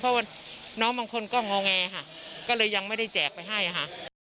เพราะว่าน้องบางคนก็งอแงค่ะก็เลยยังไม่ได้แจกไปให้ค่ะ